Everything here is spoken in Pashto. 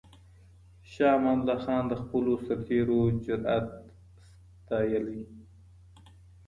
شاه امان الله خان د خپلو سرتېرو جرئت ستایلو.